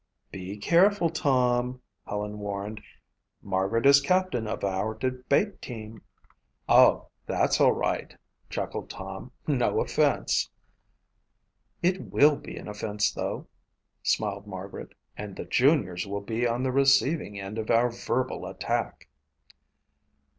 "Be careful, Tom," Helen warned. "Margaret is captain of our debate team." "Oh, that's all right," chuckled Tom. "No offense." "It will be an offense, though," smiled Margaret, "and the juniors will be on the receiving end of our verbal attack."